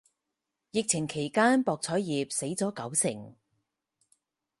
疫情期間博彩業死咗九成